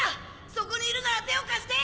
そこにいるなら手を貸して。